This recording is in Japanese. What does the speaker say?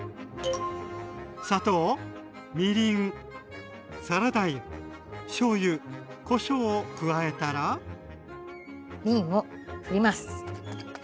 砂糖みりんサラダ油しょうゆこしょうを加えたら瓶を振ります！